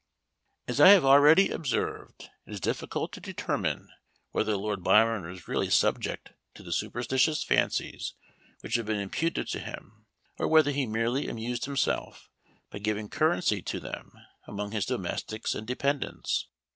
As I have already observed, it is difficult to determine whether Lord Byron was really subject to the superstitious fancies which have been imputed to him, or whether he merely amused himself by giving currency to them among his domestics and dependents.